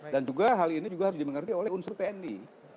dan juga hal ini harus dimengerti oleh unsur tni